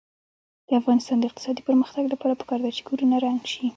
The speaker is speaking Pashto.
د افغانستان د اقتصادي پرمختګ لپاره پکار ده چې کورونه رنګ شي.